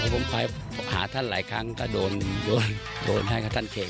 ผมคอยหาท่านหลายครั้งก็โดนให้กับท่านเชิญ